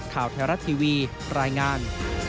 ข่าวไทยรัฐทีวีรายงาน